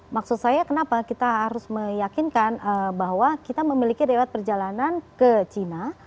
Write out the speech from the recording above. maksud saya kenapa kita harus meyakinkan bahwa kita memiliki rewet perjalanan ke cina